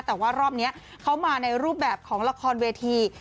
แต่ว่ารอบนี้เขามาในรูปแบบของละครเวที